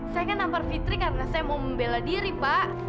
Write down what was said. saya kan nampar fitri karena saya mau membela diri pak